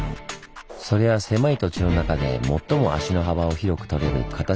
それは狭い土地の中で最も足の幅を広くとれる形だったからなんです。